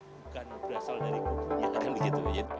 bukan berasal dari kutu ya akan begitu